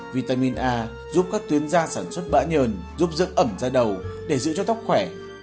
vitamin a giúp các tuyến da sản xuất bã nhờn giúp dưỡng ẩm da đầu để giữ cho tóc khỏe